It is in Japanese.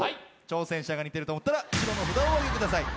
挑戦者が似てると思ったら白の札をお挙げください。